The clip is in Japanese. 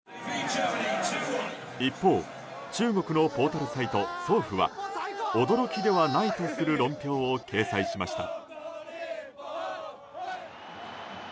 一方、中国のポータルサイトソウフは驚きではないとする論評を掲載しました。